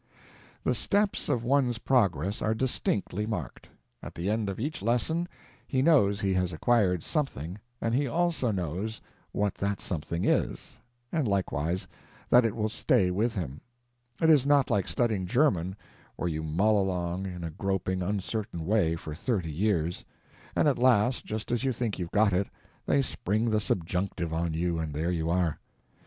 The steps of one's progress are distinctly marked. At the end of each lesson he knows he has acquired something, and he also knows what that something is, and likewise that it will stay with him. It is not like studying German, where you mull along, in a groping, uncertain way, for thirty years; and at last, just as you think you've got it, they spring the subjunctive on you, and there you are.